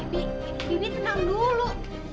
bibi bibi tenang dulu